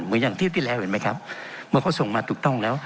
เหมือนอย่างเที่ยวที่แล้วเห็นไหมครับเมื่อเขาส่งมาถูกต้องแล้ว